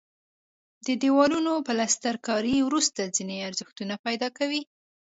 د دیوالونو پلستر کاري وروسته ځینې ارزښتونه پیدا کوي.